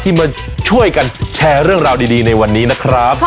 มาช่วยกันแชร์เรื่องราวดีในวันนี้นะครับ